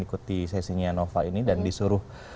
ikuti sesi nia nova ini dan disuruh